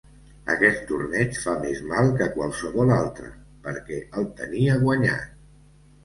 Aquest torneig fa més mal que qualsevol altre, perquè el tenia guanyat.